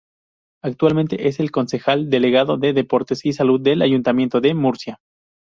Actualmente es Concejal Delegado de Deportes y Salud del Ayuntamiento de Murcia.